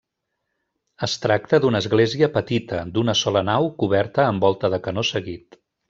Es tracta d'una església petita, d'una sola nau coberta amb volta de canó seguit.